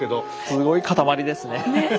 すごい塊ですね。